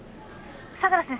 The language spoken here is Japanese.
「相良先生